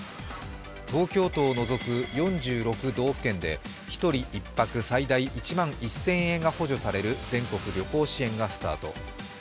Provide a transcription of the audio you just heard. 東京都を望む４６道府県で１人、最大１万１０００円が補助される全国旅行支援がスタート。